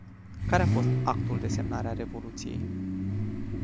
Care a fost actul de semnare a revoluției?